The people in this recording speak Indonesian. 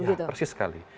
ya persis sekali